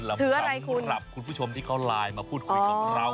ลำบังกับคุณพระชมที่เค้าไลน์มาพูดกับเราอ๋อ